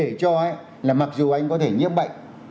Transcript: để cho là mặc dù anh có thể nhiễm bệnh